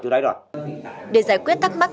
chỗ đấy rồi để giải quyết thắc mắc